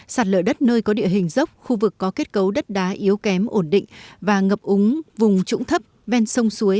sạt lở đất nơi có địa hình dốc khu vực có kết cấu đất đá yếu kém ổn định và ngập úng vùng trũng thấp ven sông suối